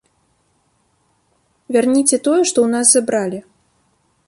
Вярніце тое, што ў нас забралі.